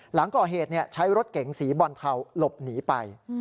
หลังก่อเหตุใช้รถเก๋งสีบอลเทาหลบหนีไป